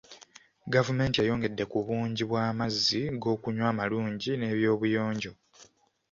Gavumenti eyongedde ku bungi bw'amazzi g'okunywa amalungi n'ebyobuyonjo.